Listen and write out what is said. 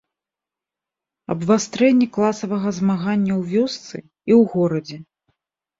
Абвастрэнне класавага змаганняў вёсцы і ў горадзе.